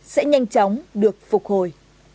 sẽ nhanh chóng được phục hồi